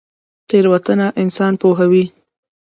تیروتنه انسان پوهوي